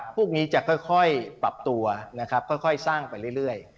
พวกนี้จะค่อยปรับตัวนะครับค่อยสร้างไปเรื่อย